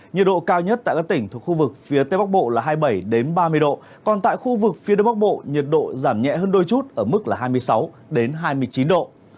nhiệt độ cao nhất tại các tỉnh thuộc khu vực phía tây bắc bộ là hai mươi bảy ba mươi độ còn tại khu vực phía đông bắc bộ nhiệt độ giảm nhẹ hơn đôi chút ở mức là hai mươi sáu hai mươi chín độ